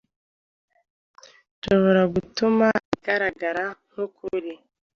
Nshobora gutuma igaragara nkukuri.